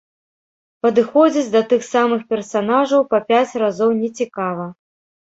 Падыходзіць да тых самых персанажаў па пяць разоў нецікава.